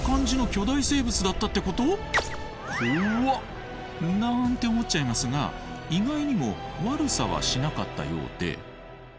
怖っ！なんて思っちゃいますが意外にも悪さはしなかったようで。